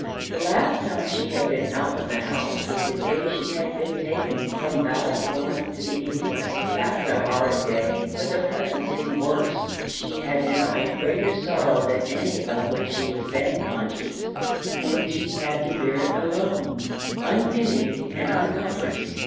The last time she had been out of the house was the day she had been taken from Ballycloran to the inquest. That was a horrid day, but the present seemed worse; she had now a greater sorrow than any of which she was then conscious, and she had to bear it alone, unpitied and uncomforted.